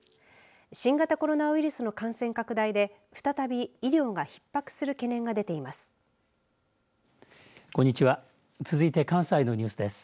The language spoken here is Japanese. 新型コロナウイルスの感染拡大で再び医療がひっ迫する懸念が出ています。